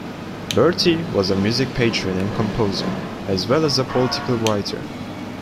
Bertie was a music patron and composer, as well as a political writer.